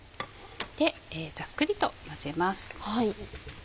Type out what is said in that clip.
でざっくりと混ぜます。